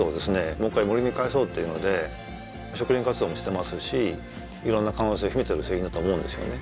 もう一回森に返そうっていうので植林活動もしてますしいろんな可能性を秘めてる製品だと思うんですよね